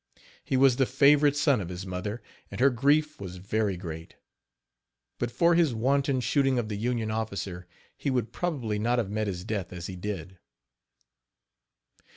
He was the favorite son of his mother, and her grief was very great. But for his wanton shooting of the Union officer, he would probably not have met his death as he did.